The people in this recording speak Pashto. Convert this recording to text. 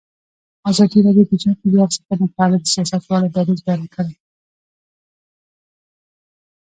ازادي راډیو د چاپیریال ساتنه په اړه د سیاستوالو دریځ بیان کړی.